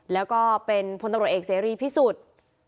แล้วก็เป็นพลตรวจเอกเสรียร์พิสูจน์